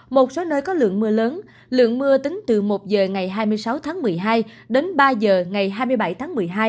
một số nơi có lượng mưa lớn lượng mưa tính từ một h ngày hai mươi sáu tháng một mươi hai đến ba h ngày hai mươi bảy tháng một mươi hai